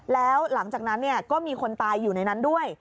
แล้วหลังจากนั้นก็มีคนตายอยู่ในนั้นด้วย